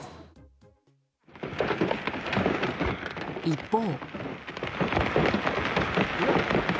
一方。